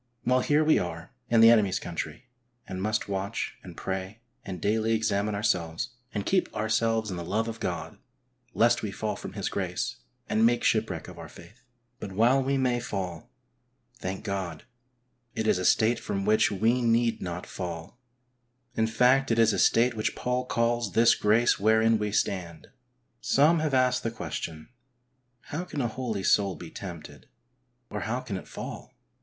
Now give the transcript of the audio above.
While here we are in the enemy's country, and must watch and pray and daily examine ourselves, and keep ourselves in the love of God lest we fall from His grace, and make shipwreck of our faith. But while we may fall, thank God ! it is a state from which we need not fall, in fact HOLINESS : WHAT IT IS NOT AND WHAT IT IS. I I it is a state which Paul calls, ''this grace wherein we stand.'^ Some have asked the question, " How can a holy soul be tempted, or how can it fall?